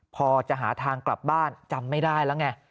พอจะหาทางกลับบ้านจำไม่ได้แล้วไง